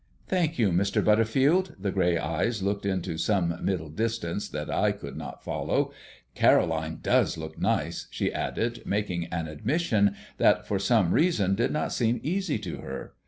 "Thank you, Mr. Butterfield." The grey eyes looked into some middle distance that I could not follow. "Caroline does look nice," she added, making an admission that for some reason did not seem easy to her.